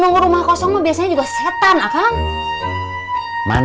pengawasan rumah kosong biasa sembarangan